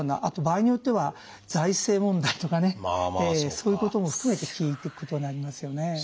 あと場合によっては財政問題とかねそういうことも含めて聞いていくことになりますよね。